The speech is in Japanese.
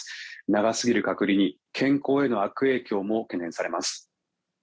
長すぎる隔離に健康への悪影響も懸念されます。